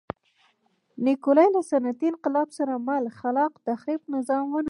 نیکولای له صنعتي انقلاب سره مل خلاق تخریب نظام ونړوي.